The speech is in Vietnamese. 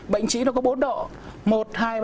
bệnh trí nó có bốn độ